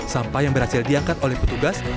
sampah yang berhasil diangkat oleh petugas